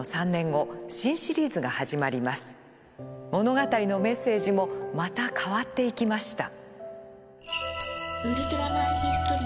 物語のメッセージもまた変わっていきました。